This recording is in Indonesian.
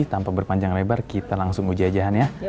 tanpa berpanjang lebar kita langsung uji jahan ya